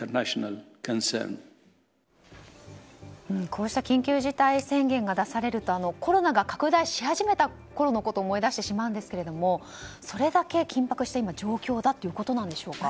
こうした緊急事態宣言が出されるとコロナが拡大し始めたころのことを思い出してしまうんですけどもそれだけ緊迫している状況だということなんでしょうか。